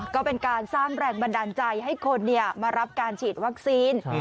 ก็เป็นการสร้างแรงบันดาลใจให้คนมารับการฉีดวัคซีน